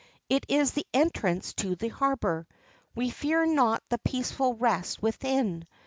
It is the entrance to the harbor. We fear not the peaceful rest within.